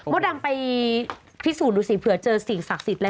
ดำไปพิสูจน์ดูสิเผื่อเจอสิ่งศักดิ์สิทธิ์